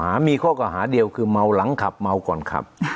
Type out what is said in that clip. มีข้อกล่าหาเดียวคือเมาหลังขับเมาก่อนขับ